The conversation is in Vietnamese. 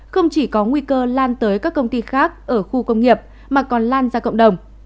không chỉ có nguy cơ lan tới các công ty khác ở khu công nghiệp mà còn lan ra cộng đồng